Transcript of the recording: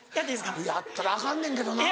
やったらアカンねんけどなぁ。